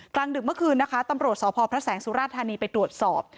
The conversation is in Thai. ดึกเมื่อคืนนะคะตำรวจสพพระแสงสุราธานีไปตรวจสอบ